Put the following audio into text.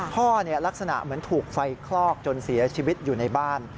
ลักษณะเหมือนถูกไฟคลอกจนเสียชีวิตอยู่ในบ้าน